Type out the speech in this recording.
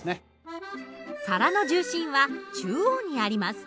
皿の重心は中央にあります。